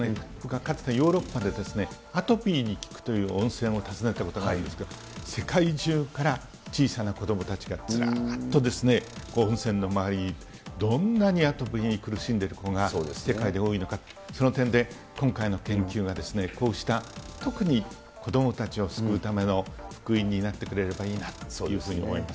かつてヨーロッパでアトピーに効くという温泉を訪ねたことがあるんですけど、世界中から小さな子どもたちがずらっとですね、温泉の周り、どんなにアトピーに苦しんでる子が世界で多いのか、その点で今回の研究がこうした、特に子どもたちを救うための福音になってくれればいいなというふうに思います。